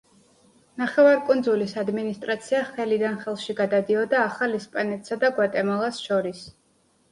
ნახევარკუნძულის ადმინისტრაცია ხელიდან ხელში გადადიოდა ახალ ესპანეთსა და გვატემალას შორის.